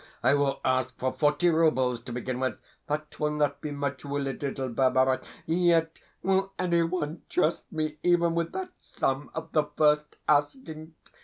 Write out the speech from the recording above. I will ask for forty roubles, to begin with. That will not be much, will it, little Barbara? Yet will any one trust me even with that sum at the first asking?